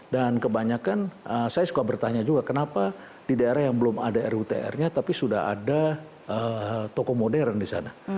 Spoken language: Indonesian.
dan kebanyakan saya suka bertanya juga kenapa di daerah yang belum ada rutr nya tapi sudah ada toko modern di sana